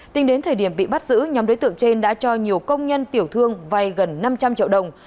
tính đến thời điểm bị bắt giữ nhóm đối tượng trên đã cho nhiều công nhân tiểu thương vay gần năm trăm linh triệu đồng